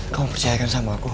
kamu percayakan sama aku